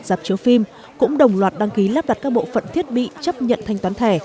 nhà hàng giáp chiếu phim cũng đồng loạt đăng ký lắp đặt các bộ phận thiết bị chấp nhận thanh toán thẻ